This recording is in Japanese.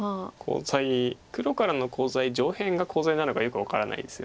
黒からのコウ材上辺がコウ材なのかよく分からないです。